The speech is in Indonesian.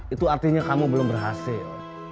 itu artinya kamu belum berhasil